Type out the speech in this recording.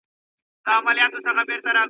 دپښتون قام به ژوندی وي .